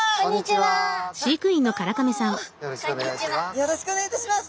よろしくお願いします。